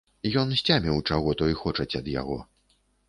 Ён сцяміў, чаго той хочаць ад яго.